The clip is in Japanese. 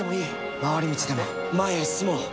回り道でも前へ進もう。